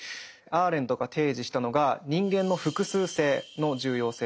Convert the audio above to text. アーレントが提示したのが人間の複数性の重要性です。